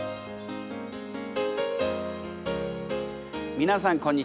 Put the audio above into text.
皆さんこんにちは。